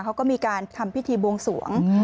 เขาก็มีการทำพิธีบวงสวง